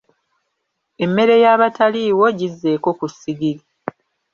Emmere y'abataliiwo gizzeeko ku ssigiri.